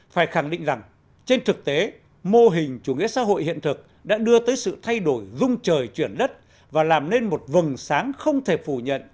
phải khẳng định rằng trên thực tế mô hình chủ nghĩa xã hội hiện thực đã đưa tới sự thay đổi dung trời chuyển đất và làm nên một vừng sáng không thể phủ nhận